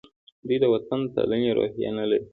دوی د وطن پالنې روحیه نه لري.